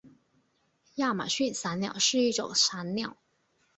亚马逊伞鸟是一种伞鸟。